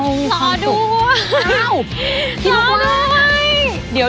แดงขนร้อยแดงขนร้อย